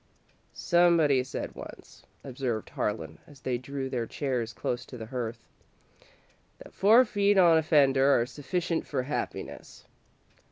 "Somebody said once," observed Harlan, as they drew their chairs close to the hearth, "that four feet on a fender are sufficient for happiness."